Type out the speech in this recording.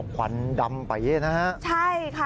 ควันดำไปเยอะนะฮะใช่ค่ะ